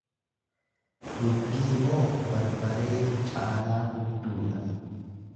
Dubbiimoo barbareetu caalaa gubduu dha?